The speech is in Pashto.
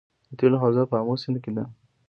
د تیلو حوزه په امو سیند کې ده